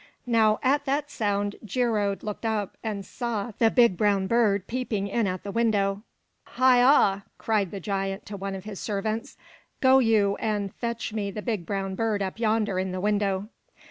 Now at that sound Geirröd looked up and saw the big brown bird peeping in at the window. "Heigha!" cried the giant to one of his servants. "Go you and fetch me the big brown bird up yonder in the window."